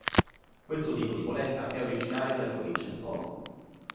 Questo tipo di polenta è originaria della provincia di Como.